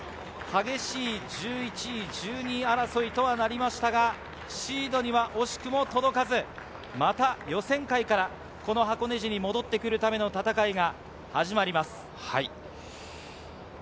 激しい１１位１２位争いとなりましたがシードには惜しくも届かず、また予選会から箱根路に戻ってくるための戦いが始まります。